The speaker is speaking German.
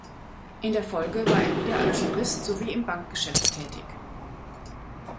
In der Folge war er wieder als Jurist sowie im Bankgeschäft tätig.